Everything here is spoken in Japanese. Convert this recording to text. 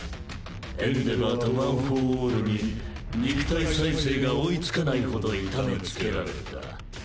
エンデヴァーとワン・フォー・オールに肉体再生が追いつかないほど痛めつけられた。